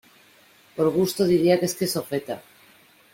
Por gusto, diría que es queso feta.